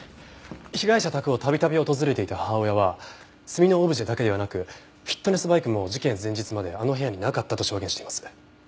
被害者宅を度々訪れていた母親は炭のオブジェだけではなくフィットネスバイクも事件前日まであの部屋になかったと証言しています。